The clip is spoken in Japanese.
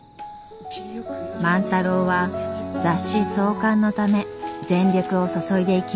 万太郎は雑誌創刊のため全力を注いでいきます。